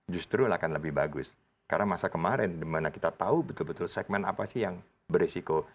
justru akan lebih bagus karena masa kemarin dimana kita tahu betul betul segmen apa sih yang beresiko